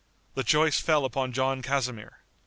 The choice fell upon John Casimir.